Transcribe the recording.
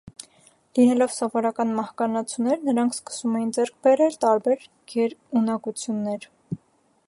Լինելով սովորական մահկանացուներ՝ նրանք սկսում էին ձեռք բերել տարբեր գերունակություններ։